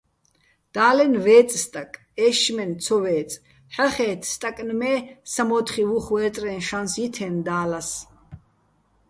და́ლენ ვე́წე̆ სტაკ, ე́შშმენ ცო ვე́წე̆, ჰ̦ახე́თე̆, სტაკნ მე სამო́თხი ვუხვე́რწრეჼ შანს ჲითეჼ და́ლას.